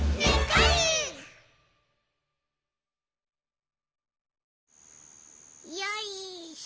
いよいしょ！